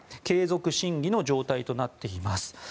継続審議の状態となっています。